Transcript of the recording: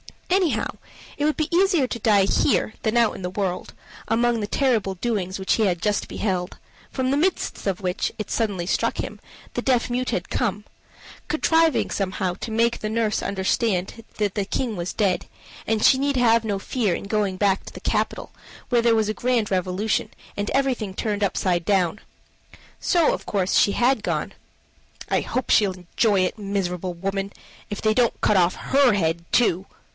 Anyhow, it would be easier to die here than out in the world, among the terrible doings which he had just beheld from the midst of which, it suddenly struck him, the deaf mute had come, contriving somehow to make the nurse understand that the king was dead, and she need have no fear in going back to the capital, where there was a grand revolution, and everything turned upside down. So, of course, she had gone. "I hope she'll enjoy it, miserable woman if they don't cut off her head too."